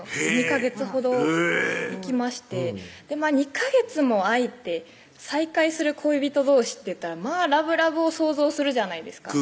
２カ月ほど行きまして２カ月も空いて再会する恋人どうしっていったらまぁラブラブを想像するじゃないですか